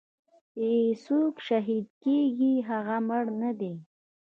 چې سوک شهيد کيګي هغه مړ نه دې.